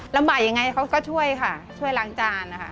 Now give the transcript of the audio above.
ลำบ่ายอย่างไรเขาก็ช่วยค่ะช่วยล้างจานค่ะ